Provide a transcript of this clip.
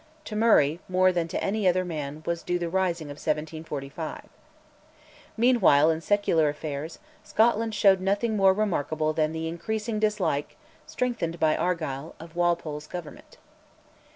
To Murray, more than to any other man, was due the Rising of 1745. Meanwhile, in secular affairs, Scotland showed nothing more remarkable than the increasing dislike, strengthened by Argyll, of Walpole's Government.